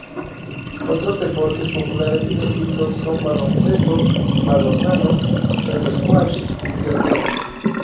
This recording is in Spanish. Otros deportes populares en Egipto son baloncesto, balonmano, el squash y el tenis.